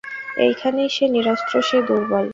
এইখানেই সে নিরস্ত্র, সে দুর্বল।